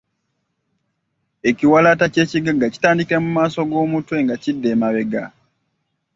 Ekiwalaata eky’ekigagga kitandikira mu maaso g'omutwe nga kidda emabega.